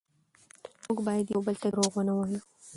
موږ باید یو بل ته دروغ ونه وایو